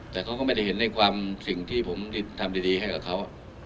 แต่เขาก็ไม่ได้เห็นในความสิ่งที่ผมทำดีให้กับเขา